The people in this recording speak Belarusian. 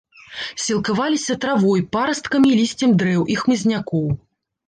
Сілкаваліся травой, парасткамі і лісцем дрэў і хмызнякоў.